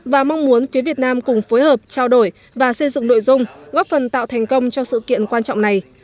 và mong muốn phía việt nam cùng phối hợp trao đổi và xây dựng nội dung góp phần tạo thành công cho sự kiện quan trọng này